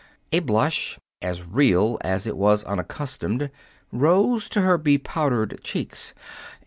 A blush, as real as it was unaccustomed, arose to her bepowdered cheeks.